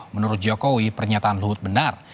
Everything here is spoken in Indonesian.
menurut jokowi pernyataan luhut benar